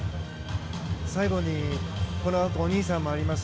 最後に、このあとお兄さんもあります。